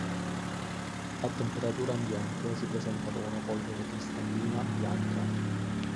A temperatura ambiente si presenta come una polvere cristallina bianca.